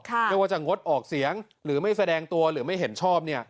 ไม่ว่าจะงดออกเสียงหรือไม่แสดงตัวหรือไม่เห็นชอบ